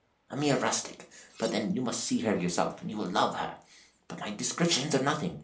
"A mere rustic; but then you must see her yourself, and you will love her. But my descriptions are nothing.